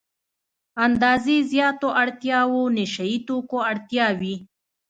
اندازې زياتو اړتیاوو نشه يي توکو اړتیا وي.